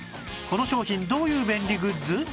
この商品どういう便利グッズ？